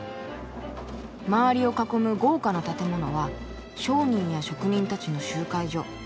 周りを囲む豪華な建物は商人や職人たちの集会所。